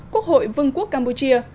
quốc hội vương quốc campuchia